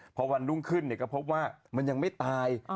พอวันรุ่งขึ้นก็พบว่ามันยังไม่ตาย